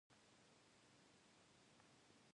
The token system facilitated the economy.